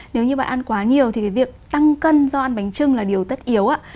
nếu như bạn ăn quá nhiều thì cái việc tăng cân do ăn bánh trưng là điều tất yếu